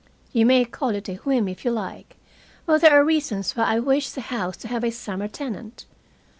"You may call it a whim if you like, but there are reasons why I wish the house to have a summer tenant.